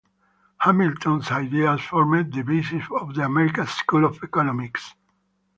Hamilton's ideas formed the basis for the "American School" of economics.